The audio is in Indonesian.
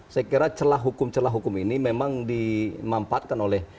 saya kira celah hukum celah hukum ini memang dimampatkan oleh